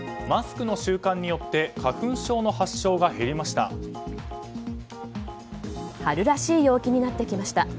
マスクの習慣によって花粉症の発症が減りました。